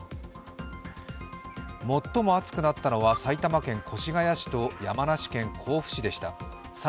最も暑くなったのは埼玉県越谷市と山梨県甲府市でした。